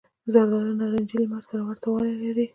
زردالو له نارنجي لمر سره ورته والی لري.